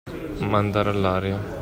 Mandare all'aria.